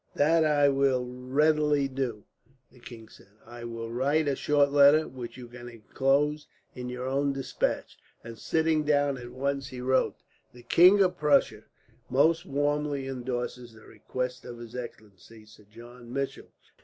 "That I will readily do," the king said. "I will write a short letter, which you can inclose in your own despatch." And sitting down at once he wrote: "The King of Prussia most warmly endorses the request of his excellency, Sir John Mitchell.